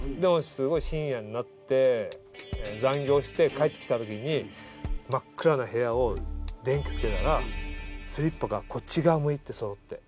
すごい深夜になって残業して帰ってきたときに真っ暗な部屋を電気つけたらスリッパがこっち側向いて揃って。